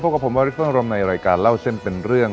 กับผมวาริฟเฟิอารมณ์ในรายการเล่าเส้นเป็นเรื่อง